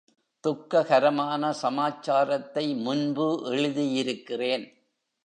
துக்ககரமான சமாச்சாரத்தை முன்பு எழுதியிருக்கிறேன்.